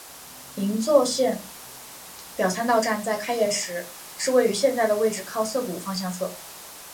银座线表参道站在开业时是位在现在位置靠涩谷方向侧。